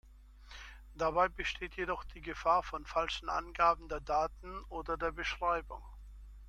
Dabei besteht jedoch die Gefahr von falschen Angaben der Daten oder der Beschreibung.